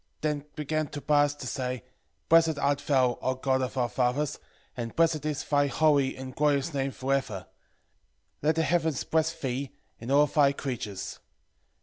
8:5 Then began Tobias to say, Blessed art thou, O God of our fathers, and blessed is thy holy and glorious name for ever; let the heavens bless thee, and all thy creatures.